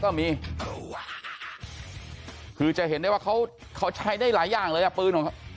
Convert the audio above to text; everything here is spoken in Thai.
ก็มีคือจะเห็นนี่ว่าเขาเขาใช้ได้หลายอย่างเลยปืนนี่